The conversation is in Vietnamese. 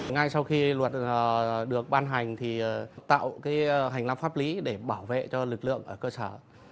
ngay sau khi luật được ban hành thì tạo hành lang pháp lý để bảo vệ cho lực lượng ở cơ sở